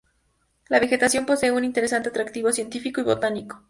La vegetación posee un interesante atractivo científico y botánico.